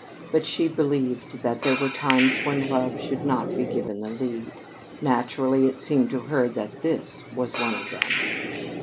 But she believed that there were times when Love should not be given the lead. Naturally, it seemed to her that this was one of them.